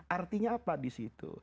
artinya apa disitu